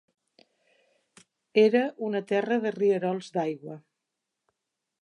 Era "una terra de rierols d'aigua".